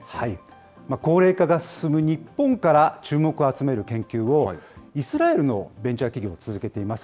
高齢化が進む日本から注目を集める研究を、イスラエルのベンチャー企業が続けています。